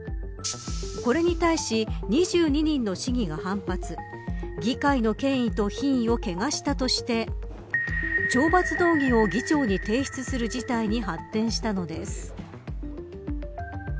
これに対し２２人の市議が反発議会の権威と品位を汚したとして懲罰動議を議長に提出する事態に発展したのです。